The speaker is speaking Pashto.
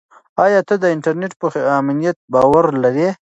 آیا ته د انټرنیټ په امنیت باور لرې؟